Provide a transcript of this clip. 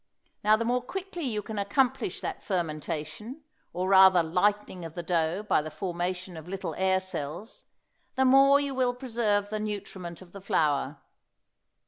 Now the more quickly you can accomplish that fermentation, or rather lightening of the dough by the formation of little air cells, the more you will preserve the nutriment of the flour.